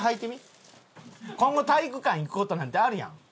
今後体育館行く事なんてあるやん。